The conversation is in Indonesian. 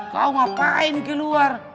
kau ngapain ke luar